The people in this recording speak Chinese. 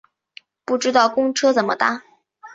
不知道公车怎么搭